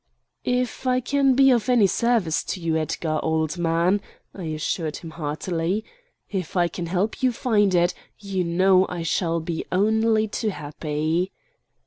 "If I can be of any service to you, Edgar, old man," I assured him heartily, "if I can help you find it, you know I shall be only too happy."